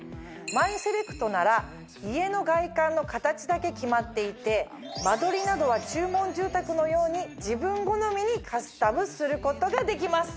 マイセレクトなら家の外観の形だけ決まっていて間取りなどは注文住宅のように自分好みにカスタムすることができます。